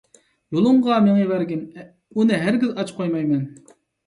يولۇڭغا مېڭىۋەرگىن، ئۇنى ھەرگىز ئاچ قويمايمەن.